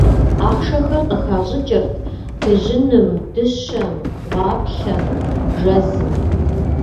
Ахъшэхэр къыхащӏыкӏырт дыжьыным, дыщэм, гъуаплъэм, жэзым.